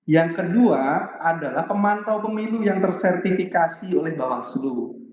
yang kedua adalah pemantau pemilu yang tersertifikasi oleh bawaslu